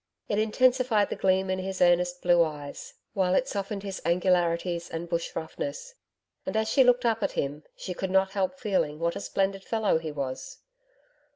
It intensified the gleam in his earnest blue eyes, while it softened his angularities and bush roughness, and as she looked up at him, she could not help feeling what a splendid fellow he was!